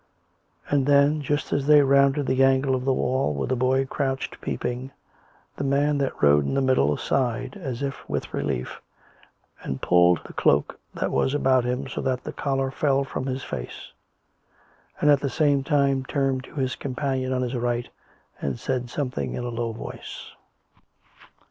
And then, just as they rounded the angle of the wall where the boy crouched peeping, the man that rode in the middle, sighed as if with relief, and pulled the cloak that was about him, so that the collar fell from his face, and at the same time turned to his companion on his right, and said something in a low voice.